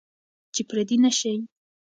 چې پردي نشئ.